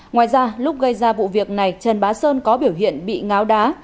ngoài ra lúc gây ra vụ việc này trần bá sơn có biểu hiện bị ngáo đá